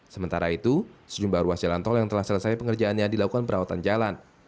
sementara itu sejumlah ruas jalan tol yang telah selesai pengerjaannya dilakukan perawatan jalan